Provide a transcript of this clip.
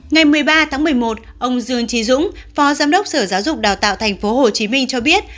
ngày một mươi ba tháng một mươi một ông dương trí dũng phó giám đốc sở giáo dục đào tạo tp hcm cho biết